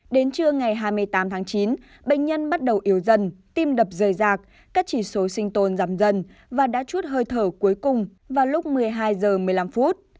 đến trưa ngày hai mươi tám tháng chín bệnh nhân bắt đầu yếu dần tim đập rời rạc các chỉ số sinh tồn giảm dần và đã chút hơi thở cuối cùng vào lúc một mươi hai h một mươi năm